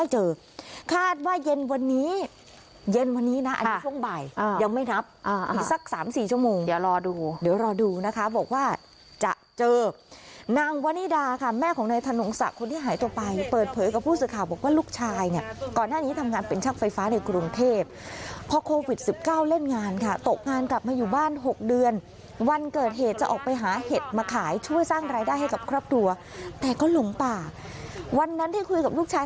เจอนางวันนิดาค่ะแม่ของนายธนงศักดิ์คนที่หายตัวไปเปิดเผยกับผู้สื่อข่าวบอกว่าลูกชายนี่ก่อนหน้านี้ทำงานเป็นชักไฟฟ้าในกรุงเทพฯพอโควิด๑๙เล่นงานค่ะตกงานกลับมาอยู่บ้าน๖เดือนวันเกิดเหตุจะออกไปหาเห็ดมาขายช่วยสร้างรายได้ให้กับครับตัวแต่ก็หลงป่าวันนั้นที่คุยกับลูกชาย